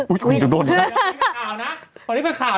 อุ้ยคุณจะโดนแล้วนะ